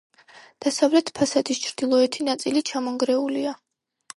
დასავლეთ ფასადის ჩრდილოეთი ნაწილი ჩამონგრეულია.